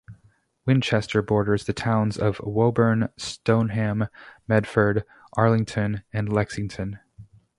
Winchester borders the towns of Woburn, Stoneham, Medford, Arlington, and Lexington.